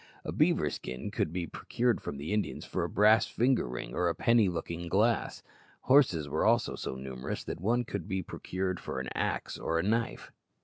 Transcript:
A beaver skin could be procured from the Indians for a brass finger ring or a penny looking glass. Horses were also so numerous that one could be procured for an axe or a knife.